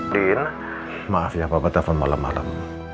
din maaf ya bapak telepon malam malam